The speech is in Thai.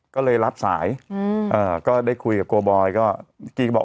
ก็เลยรับสายอืมเออก็ได้คุยกับก็ตีก็บอกโอเค